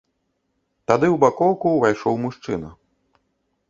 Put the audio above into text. Тады ў бакоўку ўвайшоў мужчына.